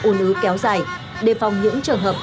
ồn ứ kéo dài đề phòng những trường hợp